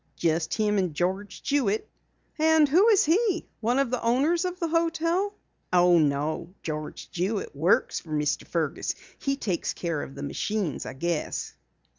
"Just him and George Jewitt." "And who is he? One of the owners of the hotel?" "Oh, no. George Jewitt works for Mr. Fergus. He takes care of the machines, I guess."